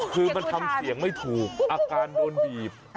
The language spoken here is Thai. คือมันทำเสียงไม่ถูกอาการโดนบีบ